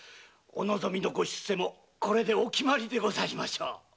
お望みの出世もこれでお決まりでございましょう。